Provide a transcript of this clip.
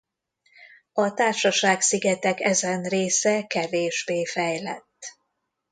A Társaság-szigetek ezen része kevésbé fejlett.